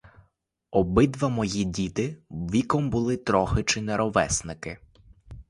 Обидва мої діди віком були трохи чи не ровесники.